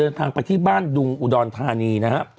เดินทางหนังดูนอุดรฐานีนะฮะ